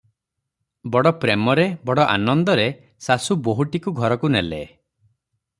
ବଡ଼ ପ୍ରେମରେ, ବଡ ଆନନ୍ଦରେ ଶାଶୁ ବୋହୂଟିକୁ ଘରକୁ ନେଲେ ।